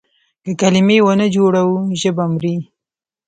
که کلمې ونه جوړو ژبه مري.